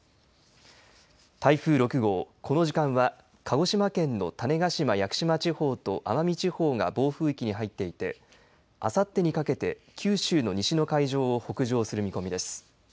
台風６号、この時間は鹿児島県の種子島・屋久島地方と奄美地方が暴風域に入っていてあさってにかけて九州の西の海上を北上する見込みです。